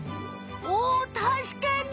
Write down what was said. おおたしかに！